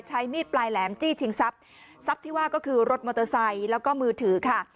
ใช้มีดปลายแหลมจี้ชิงทรัพย์ทรัพย์ที่ว่าก็คือรถมอเตอร์ไซค์แล้วก็มือถือค่ะ